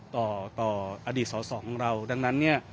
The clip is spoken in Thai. ต่อต่ออดีตสอสอของเราดังนั้นเนี่ย